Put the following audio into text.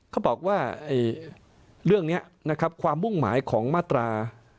เขาบอกว่าเรื่องนี้นะครับความมุ่งหมายของมาตรา